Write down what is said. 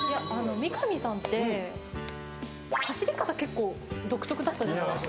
三上さんって走り方が独特だったじゃないですか。